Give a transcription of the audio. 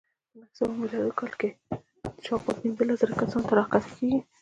په نهه سوه میلادي کال کې شاوخوا پنځلس زره کسانو ته راښکته کېږي.